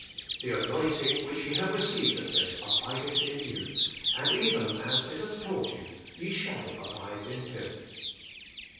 'The Akoihtikg which ye have received of Him, ABiDETH 11^ you; and even as it hath taught you, YE SHALL ABIDE IN HiM.